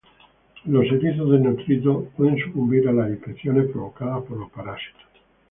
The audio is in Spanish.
Los erizos desnutridos pueden sucumbir a las infecciones provocadas por los parásitos.